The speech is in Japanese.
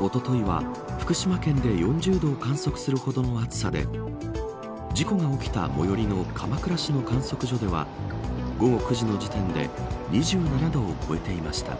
おとといは、福島県で４０度を観測するほどの暑さで事故が起きた最寄りの鎌倉市の観測所では午後９時の時点で２７度を超えていました。